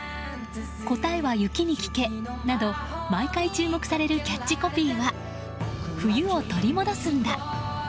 「答えは雪に聞け。」など毎回注目されるキャッチコピーは「冬を取り戻すんだ。」。